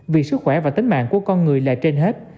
vì sức khỏe và tính mạng của con người là trên hết